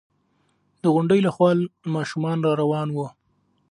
د غونډۍ له خوا ماشومان را روان وو.